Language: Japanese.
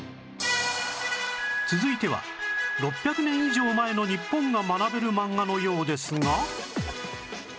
続いては６００年以上前の日本が学べる漫画のようですが